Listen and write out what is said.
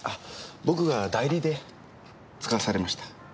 僕が代理で遣わされました。